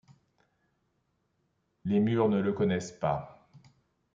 Les murs ne le connaissent pas.